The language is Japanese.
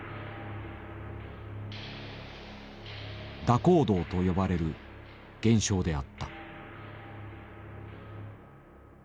「蛇行動」と呼ばれる現象であった。